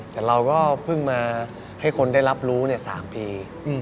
แต่เราก็เพิ่งมาให้คนได้รับรู้๓ปี